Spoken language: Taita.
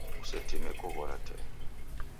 Kusetime kughora tee.